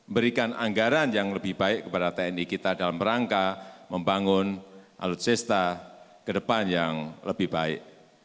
berikan anggaran yang lebih baik kepada tni kita dalam rangka membangun alutsista ke depan yang lebih baik